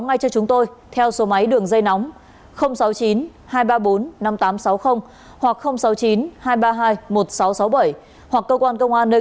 ngay cho chúng tôi theo số máy đường dây nóng sáu mươi chín hai trăm ba mươi bốn năm nghìn tám trăm sáu mươi hoặc sáu mươi chín hai trăm ba mươi hai một nghìn sáu trăm sáu mươi bảy hoặc cơ quan công an nơi